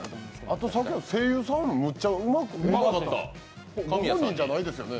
あと、さっき、声優さんめっちゃうまかったですね。